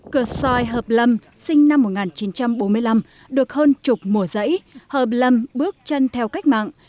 cờ soi hợp lâm sinh năm một nghìn chín trăm bốn mươi năm được hơn chục mùa giấy hợp lâm bước chân theo cách mạng